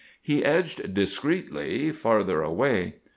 He edged discreetly farther away.